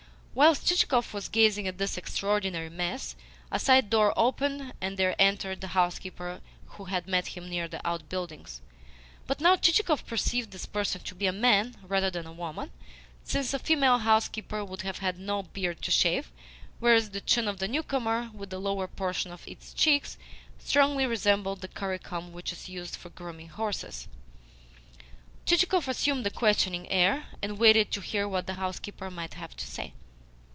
Whilst Chichikov was gazing at this extraordinary mess, a side door opened and there entered the housekeeper who had met him near the outbuildings. But now Chichikov perceived this person to be a man rather than a woman, since a female housekeeper would have had no beard to shave, whereas the chin of the newcomer, with the lower portion of his cheeks, strongly resembled the curry comb which is used for grooming horses. Chichikov assumed a questioning air, and waited to hear what the housekeeper might have to say.